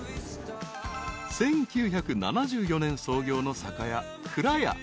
［１９７４年創業の酒屋］